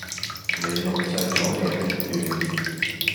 您錄製左既片段